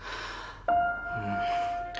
・うん。